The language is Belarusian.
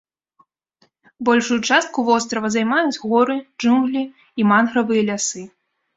Большую частку вострава займаюць горы, джунглі і мангравыя лясы.